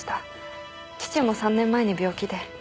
父も３年前に病気で。